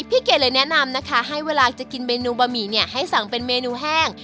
เกดเลยแนะนำนะคะให้เวลาจะกินเมนูบะหมี่เนี่ยให้สั่งเป็นเมนูแห้ง